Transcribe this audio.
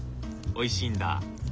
おいしいんだ？